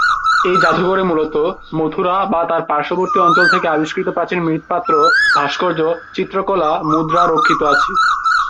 এই জাদুঘরে মূলত মথুরা বা তার পার্শ্ববর্তী অঞ্চল থেকে আবিষ্কৃত প্রাচীন মৃৎপাত্র, ভাস্কর্য, চিত্রকলা, মুদ্রা রক্ষিত আছে।